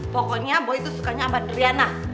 pokoknya boy itu sukanya sama driana